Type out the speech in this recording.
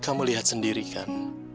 kamu lihat sendiri kan